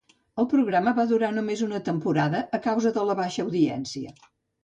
El programa va durar només una temporada a causa de la baixa audiència.